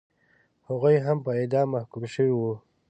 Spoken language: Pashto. هغوی هم په اعدام محکوم شوي وو.